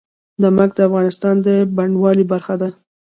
نمک د افغانستان د بڼوالۍ برخه ده.